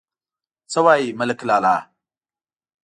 _څه وايي ملک لالا!